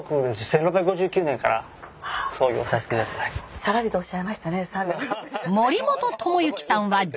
さらりとおっしゃいましたね。